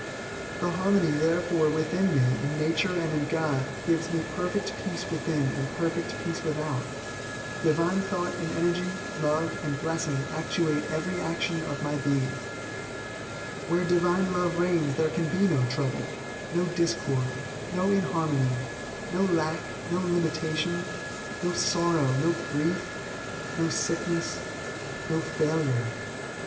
The harmony therefore within me in nature and in God gives me perfect peace within and perfect peace without. Divine thought and energy, love and blessing actuate every action of my being. Where Divine Love reigns there can be no trouble, no discord, no inharmony, no lack, no limitation, no sorrow, no grief, no sickness, no failure.